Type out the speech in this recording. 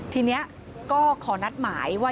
ทีนี้ก็ขอนัดหมายว่า